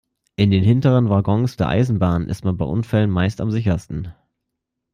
In den hinteren Waggons der Eisenbahn ist man bei Unfällen meist am sichersten.